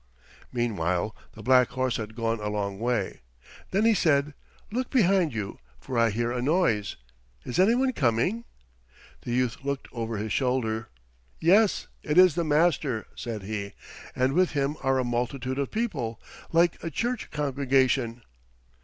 Meanwhile the black horse had gone a long way. Then he said, "Look behind you, for I hear a noise; is any one coming?" The youth looked over his shoulder. "Yes, it is the Master," said he, "and with him are a multitude of people like a church congregation."